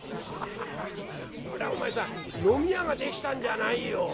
ハハハこりゃお前さん飲み屋ができたんじゃないよ。